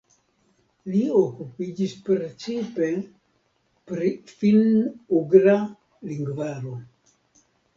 Li okupiĝis precipe pri finn-ugra lingvaro.